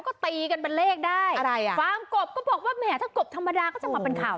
ก็ตีกันเป็นเลขได้อะไรอ่ะฟาร์มกบก็บอกว่าแหมถ้ากบธรรมดาก็จะมาเป็นข่าว